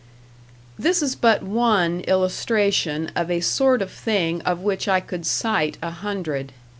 This is but one illustration of a sort of thing of which I could cite a hundred.